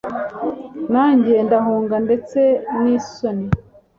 Nanjye ndahunga ndetse nisoni